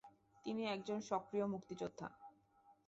তিনি একজন সক্রিয় মুক্তিযোদ্ধা।